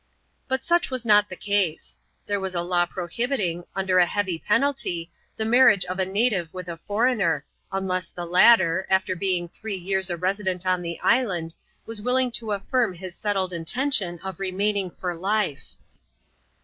But such was not the case. There was a law prohibiting, under a heavy penalty, the marriage of a native with a foreigner, unless the latter, after being three years a resident on the island, was willing to affirm his settled intention of remaining for life.